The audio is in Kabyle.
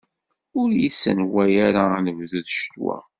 Ur iyi-ssenway ara anebdu d ccetwa!